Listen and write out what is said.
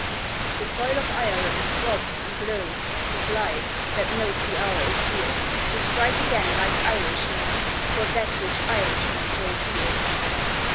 The soil of Ireland throbs and glows With life that knows the hour is here To strike again like Irishmen For that which Irishmen hold dear.